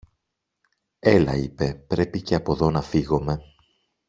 Έλα, είπε, πρέπει και από δω να φύγομε.